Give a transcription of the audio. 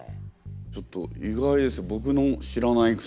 ちょっと意外です。